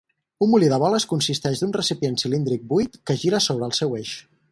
Un molí de boles consisteix d'un recipient cilíndric buit que gira sobre el seu eix.